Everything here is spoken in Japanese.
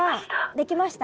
できました？